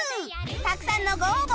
たくさんのご応募